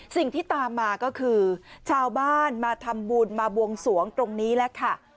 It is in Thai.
สิ่งที่ตามมาก็คือชาวบ้านมาทำบุญมาบวงสวงตรงนี้แหละค่ะ